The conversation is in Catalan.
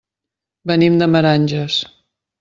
Venim de Meranges.